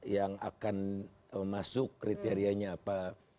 yang akan masuk kriterianya apa